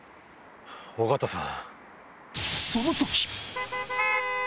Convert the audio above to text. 尾形さん。